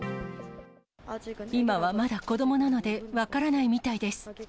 今はまだ子どもなので、分からないみたいです。